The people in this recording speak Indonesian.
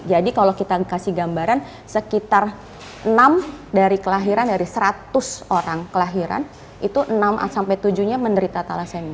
jadi kalau kita kasih gambaran sekitar enam dari kelahiran dari seratus orang kelahiran itu enam sampai tujuh nya menderita thalassemia